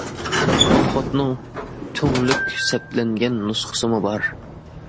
قول خوتنىڭ تۈڭلۈك سەپلەنگەن نۇسخىسىمۇ بار.